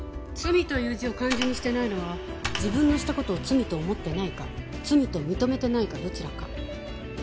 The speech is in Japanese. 「つみ」という字を漢字にしてないのは自分のした事を罪と思ってないか罪と認めてないかどちらか。